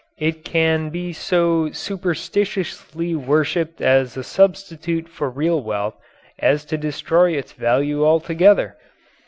It can be so superstitiously worshipped as a substitute for real wealth as to destroy its value altogether.